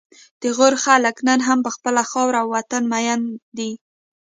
د غور خلک نن هم په خپل وطن او خاوره مین دي